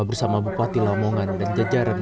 bersama bupati lamongan dan jajaran